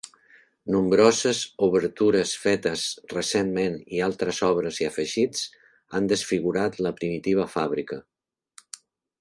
Nombroses obertures fetes recentment i altres obres i afegits han desfigurat la primitiva fàbrica.